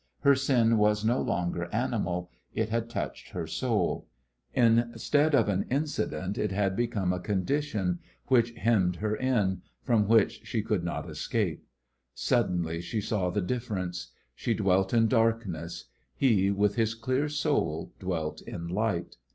Her sin was no longer animal. It had touched her soul. Instead of an incident it had become a condition which hemmed her in, from which she could not escape. Suddenly she saw the difference. She dwelt in darkness; he, with his clear soul, dwelt in light.